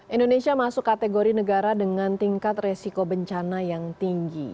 indonesia masuk kategori negara dengan tingkat resiko bencana yang tinggi